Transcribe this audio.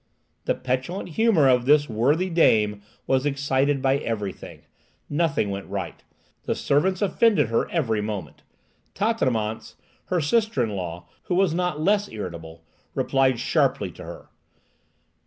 The petulant humour of this worthy dame was excited by everything. Nothing went right. The servants offended her every moment. Tatanémance, her sister in law, who was not less irritable, replied sharply to her.